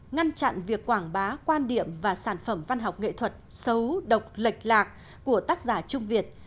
ngăn chặn việc quảng bá quan điểm và sản phẩm văn học nghệ thuật xấu độc lệch lạc của tác giả trung việt